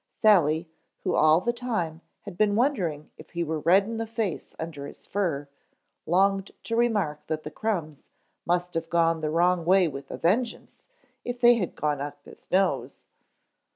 Sally, who all the time had been wondering if he were red in the face under his fur, longed to remark that the crumbs must have gone the wrong way with a vengeance if they had gone up his nose.